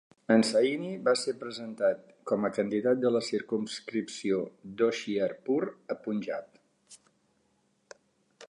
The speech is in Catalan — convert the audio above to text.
En Saini va ser presentat com a candidat de la circumscripció d' Hoshiarpur a Punjab.